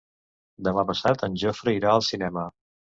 Demà passat en Jofre irà al cinema.